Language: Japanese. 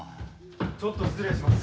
・ちょっと失礼します。